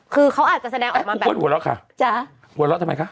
คือเขาอาจจะแสดงออกมาพูดหัวเราะค่ะจ้ะหัวเราะทำไมคะ